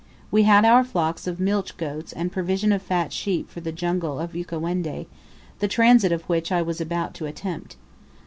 We had our flocks of milch goats and provision of fat sheep for the jungle of Ukawendi, the transit of which I was about to attempt.